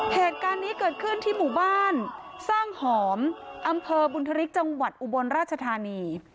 เหตุการณ์นี้เกิดขึ้นที่หมู่บ้านสร้างหอมอำเภอบุญธริกจังหวัดอุบลราชธานี